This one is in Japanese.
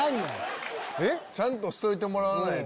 ちゃんとしといてもらわないと。